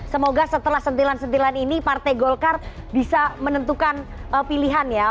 semoga setelah sentilan sentilan ini partai golkar bisa menentukan pilihan ya